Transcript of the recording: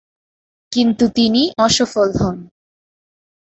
কিন্তু তিনি অসফল হন।